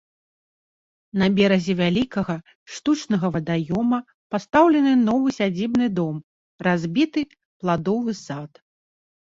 На беразе вялікага штучнага вадаёма пастаўлены новы сядзібны дом, разбіты пладовы сад.